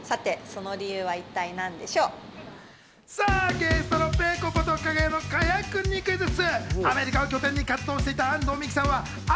ゲストのぺこぱとかが屋の賀屋くんにクイズッス！